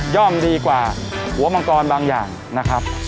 ดีกว่าหัวมังกรบางอย่างนะครับ